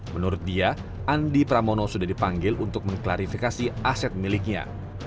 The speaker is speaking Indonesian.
menurut dia andi pramono sudah dipanggil untuk mengklarifikasi aset miliknya